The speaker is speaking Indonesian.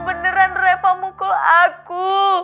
beneran reva pukul aku